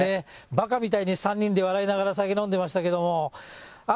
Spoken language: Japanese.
ばかみたいに３人で笑いながら酒飲んでましたけども。